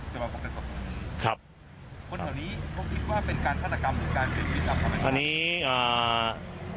คนแถวนี้เขาคิดว่าเป็นการธนกรรมหรือเป็นการเปลี่ยนชีวิตอำเภอ